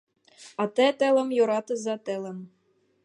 А те телым йöратыза, телым!